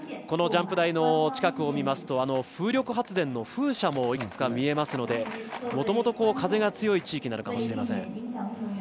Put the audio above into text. ジャンプ台の近くを見ますと風力発電の風車もいくつか見えますのでもともと風が強い地域なのかもしれません。